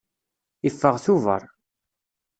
Iffeɣ tuber.